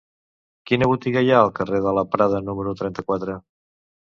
Quina botiga hi ha al carrer de Prada número trenta-quatre?